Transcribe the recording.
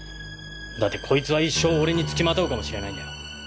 だってこいつは一生俺に付きまとうかもしれないんだよ？